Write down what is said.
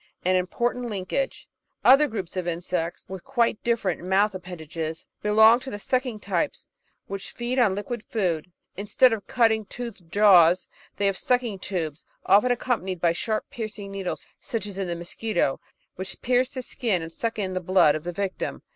An Important Linkage Other groups of Insects, with quite diflFerent mouth ap pendages, belong to the sucking types, which feed on liquid food. Instead of cutting, toothed jaws, they have sucking tubes, often accompanied by sharp piercing needles as in the Mosquito, which pierce the skin and suck in the blood of the victim.